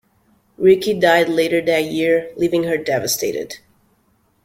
Ricky died later that year, leaving her devastated.